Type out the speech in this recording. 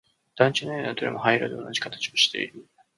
団地の屋根はどれも灰色で同じ形をしている